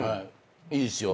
いいっすよ。